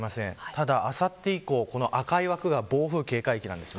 ただあさって以降赤い枠が暴風警戒域です。